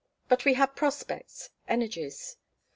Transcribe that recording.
But we had prospects, energies.